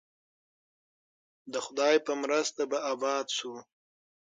د خدای په مرسته به اباد شو؟